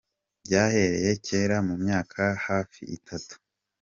Byahereye kera mu myaka hafi itatu.